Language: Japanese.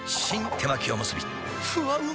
手巻おむすびふわうま